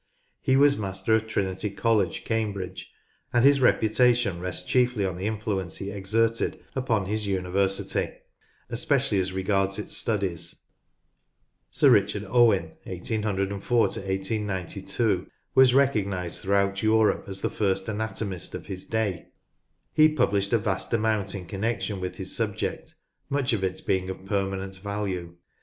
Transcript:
He was Master of Trinity College, Cam bridge, and his reputation rests chiefly on the influence he exerted upon his university, especially as regards its studies. Sir Richard Owen (1 804 1892) "was recognised throughout Europe as the first anatomist of his day." He published a vast amount in connection with his subject, much of it being of permanent value.